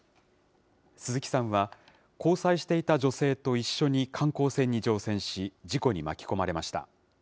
鈴木さんは、交際していた女性と一緒に観光船に乗船し、事故に巻き込まれました。